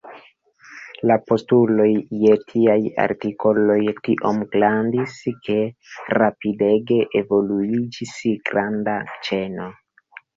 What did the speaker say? La postuloj je tiaj artikoloj tiom grandis ke rapidege evoluiĝis granda ĉeno.